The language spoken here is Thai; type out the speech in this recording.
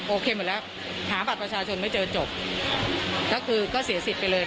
หมดแล้วหาบัตรประชาชนไม่เจอจบก็คือก็เสียสิทธิ์ไปเลย